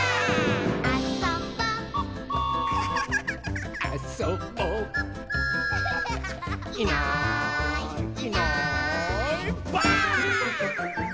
「あそぼ」「あそぼ」「いないいないばあっ！」